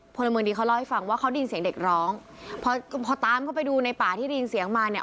พลเมืองดีเขาเล่าให้ฟังว่าเขาได้ยินเสียงเด็กร้องพอพอตามเข้าไปดูในป่าที่ได้ยินเสียงมาเนี่ย